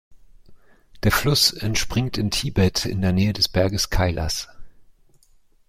Der Fluss entspringt in Tibet in der Nähe des Berges Kailash.